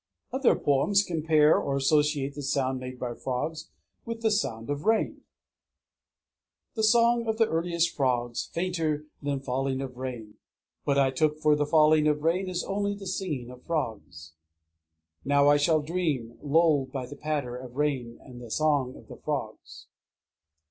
Other poems compare or associate the sound made by frogs with the sound of rain: The song of the earliest frogs, fainter than falling of rain. What I took for the falling of rain is only the singing of frogs. _Now I shall dream, lulled by the patter of rain and the song of the frogs.